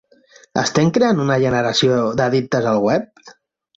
Estem creant una generació d'addictes al web?